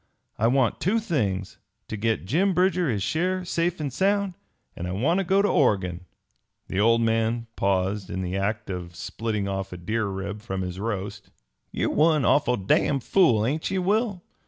I want two things to get Jim Bridger his share safe and sound; and I want to go to Oregon." The old man paused in the act of splitting off a deer rib from his roast. "Ye're one awful damn fool, ain't ye, Will?